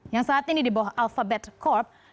yang saat ini di bawah alphabet corp